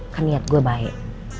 kan niat gue baik